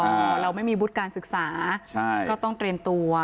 ว่าเราไม่มีบุตรการศึกษาก็ต้องเตรนตัว